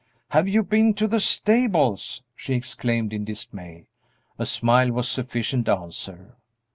"Have you been to the stables?" she exclaimed, in dismay. A smile was sufficient answer.